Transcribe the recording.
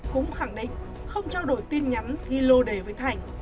cũng khẳng định không trao đổi tin nhắn ghi lô đề với thành